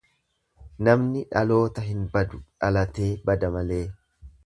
Namni dhaloota hin badu, dhalatee bada malee.